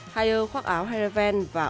hajer khoác áo heireven và ojapmangwe